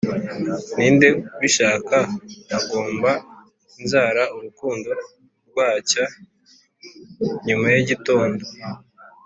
ninde ubishaka agomba inzara urukundo rwacya nyuma yigitondo,